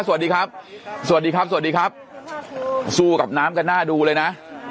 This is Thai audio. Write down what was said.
สวัสดีครับสวัสดีครับสวัสดีครับสู้กับน้ำกันหน้าดูเลยนะ